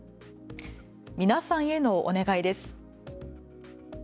皆さんへのお願いです。